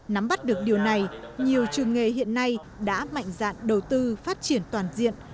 nắm bắt được điều này nhiều trường nghề hiện nay đã mạnh dạn đầu tư phát triển toàn diện